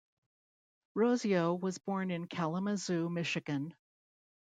Rossio was born in Kalamazoo, Michigan.